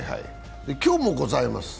今日もございます。